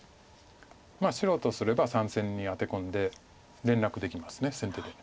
白とすれば３線にアテ込んで連絡できます先手で。